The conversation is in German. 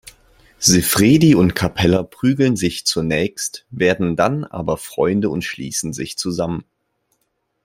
Siffredi und Capella prügeln sich zunächst, werden dann aber Freunde und schließen sich zusammen.